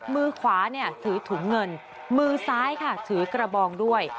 มือขวาถือถุงเงินมือซ้ายค่ะถือกระบองด้วย